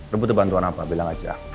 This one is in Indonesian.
lo butuh bantuan apa bilang aja